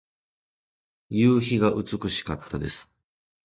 夕日が美しかったです。